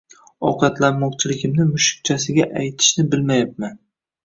Ovqatlanmoqchiligimni mushukchasiga aytishni bilmayapman